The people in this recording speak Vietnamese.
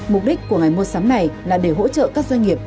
mục đích của ngày mua sắm này là để hỗ trợ các doanh nghiệp